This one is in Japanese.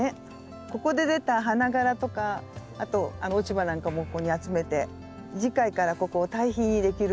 ここで出た花がらとかあと落ち葉なんかもここに集めて次回からここを堆肥にできるわけですもんね。